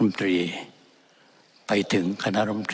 นับตั้งแต่นายุบันตรีไปถึงคณะบันตรีทุกทัน